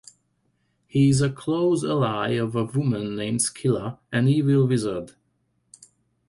He is a close ally of a woman named Skylla, an evil wizard.